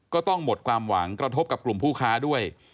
ก็ต้องหมดความหวังกระทบกับกลุ่มผู้ค้าด้วย